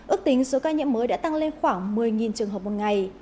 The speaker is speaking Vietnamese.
ước tính số ca nhiễm mới đã tăng lên khoảng một mươi trường hợp một ngày